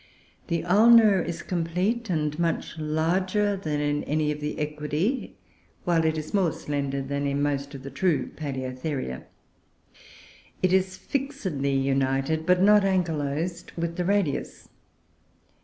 The ulna is complete and much larger than in any of the Equidoe, while it is more slender than in most of the true Paloeotheria; it is fixedly united, but not ankylosed, with the radius.